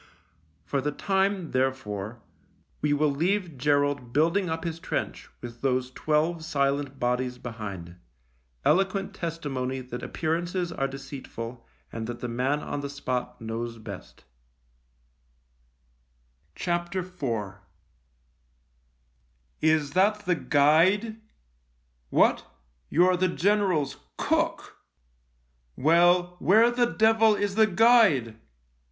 For the time, therefore, we will leave Gerald building up his trench with those twelve silent bodies behind — eloquent testi mony that appearances are deceitful and that the man on the spot knows best IV "Is that the guide ? What, you're the general's cook ! Well, where the devil is the guide